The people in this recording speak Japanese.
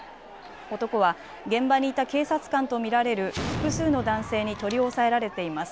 男は現場にいた警察官と見られる複数の男性に取り押さえられています。